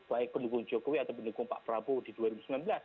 baik pendukung jokowi atau pendukung pak prabowo di dua ribu sembilan belas